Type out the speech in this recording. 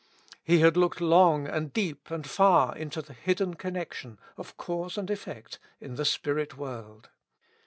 He had looked long and deep and far into the hidden connection of cause and effect in the spirit world.